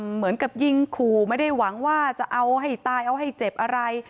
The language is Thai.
เหมือนกับยิงขู่ไม่ได้หวังว่าจะเอาให้ตายเอาให้เจ็บอะไร